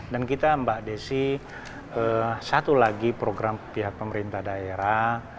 dan kita mbak desi satu lagi program pihak pemerintah daerah